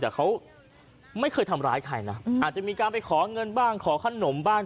แต่เขาไม่เคยทำร้ายใครนะอาจจะมีการไปขอเงินบ้างขอขนมบ้าง